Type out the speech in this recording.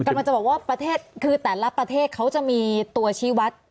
กลับมาจะบอกว่าแต่ละประเทศเขาจะมีตัวชีวัตร